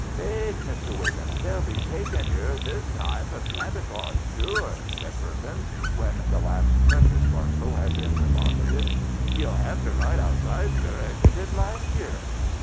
" Faith, Mr. Wiggin, they'll be taking yer this time for Santa Claus, sure," said Perkins when the last precious parcel had been de posited. " Yer '11 have to ride outside, sir, as yer did last year."